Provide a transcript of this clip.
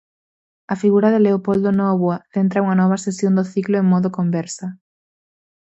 A figura de Leopoldo Nóvoa centra unha nova sesión do ciclo "En modo conversa".